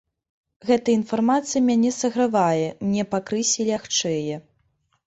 Гэта інфармацыя мяне сагравае, мне пакрысе лягчэе.